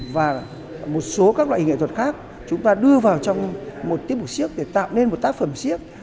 và một số các loại hình nghệ thuật khác chúng ta đưa vào trong một tiếp ủng siếc để tạo nên một tác phẩm siếc